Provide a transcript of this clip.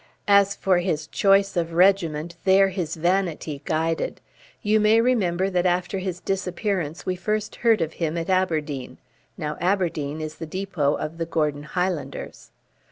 As for his choice of regiment, there his vanity guided. You may remember that after his disappearance we first heard of him at Aberdeen. Now Aberdeen is the depot of the Gordon Highlanders.